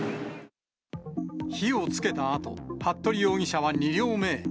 火をつけたあと、服部容疑者は２両目へ。